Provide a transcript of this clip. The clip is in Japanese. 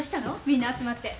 みんな集まって。